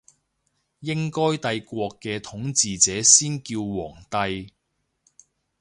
應該帝國嘅統治者先叫皇帝